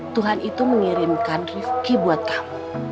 tuhan itu mengirimkan rifki buat kamu